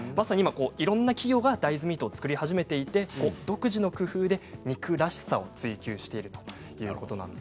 いろんな企業が大豆ミートを作り始めていて、独自の工夫で肉らしさを追求しているということなんです。